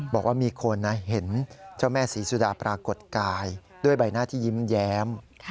บอกว่ามีคนเห็นเจ้าแม่ศรีสุดาปรากฏกายด้วยใบหน้าที่ยิ้มแย้ม